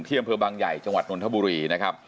อำเภอบางใหญ่จังหวัดนทบุรีนะครับ